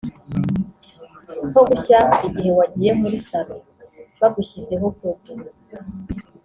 nko gushya igihe wagiye muri salo bagushyizeho poroduwi (produit)